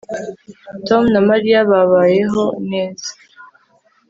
Tom na Mariya babayeho neza